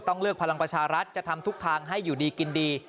เลือกพลังประชารัฐจะทำทุกทางให้อยู่ดีกินดี